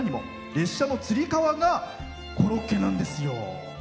列車のつり革がコロッケなんですよ。